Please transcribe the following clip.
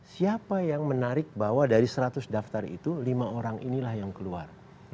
siapa yang menarik bahwa dari seratus daftar itu lima orang inilah yang keluar